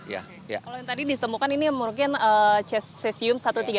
kalau yang tadi ditemukan ini mungkin cesium satu ratus tiga puluh